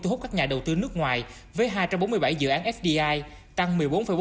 thu hút các nhà đầu tư nước ngoài với hai trăm bốn mươi bảy dự án fdi tăng một mươi bốn bốn